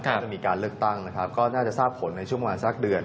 ก็จะมีการเลือกตั้งนะครับก็น่าจะทราบผลในช่วงประมาณสักเดือน